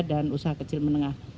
dan usaha kecil menengah